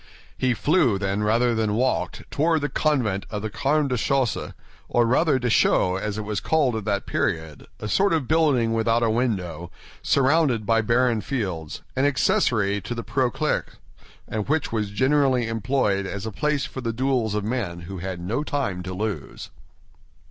He flew, then, rather than walked, toward the convent of the Carmes Déchaussés, or rather Deschaux, as it was called at that period, a sort of building without a window, surrounded by barren fields—an accessory to the Preaux Clercs, and which was generally employed as the place for the duels of men who had no time to lose.